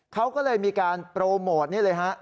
เขาก็เลยมีการโปรโมทนี่เลยฮะ